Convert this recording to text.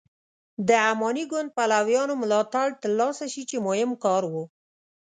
د اماني ګوند پلویانو ملاتړ تر لاسه شي چې مهم کار و.